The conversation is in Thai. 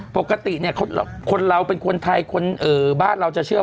ปกติเนี่ยคนเราเป็นคนไทยคนบ้านเราจะเชื่อ